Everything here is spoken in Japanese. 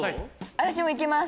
私も行けます。